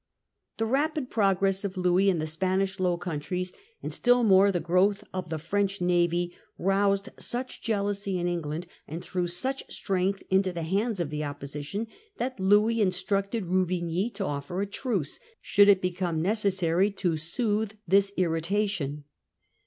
The rapid progress of Louis in the Spanish Low Countries, and still more the growth of the French navy, roused such jealousy in England and threw such strength into the hands of the Opposition that Louis instructed Ruvigny to offer a truce, should it become necessary, to soothe this irritation.